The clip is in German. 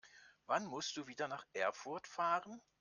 Wann musst du wieder nach Erfurt fahren?